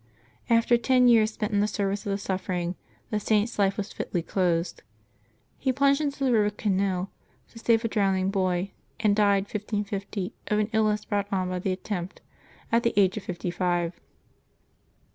After ten years spent in the service of the suffering, the Saint's life was fitly closed. He plunged into the river Xenil to save a drowiaing boy, and died, 1550, of an illness brought on by the attempt, at the age of fifty five.